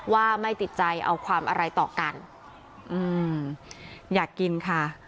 ว่าไม่ติดใจเอาความอะไรต่อกันอืมอยากกินค่ะ